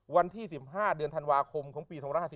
วันที่๑๕เดือนธันวาคมของปี๒๕๔